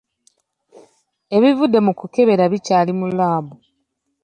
Ebivudde mu kukebera bikyali mu laabu.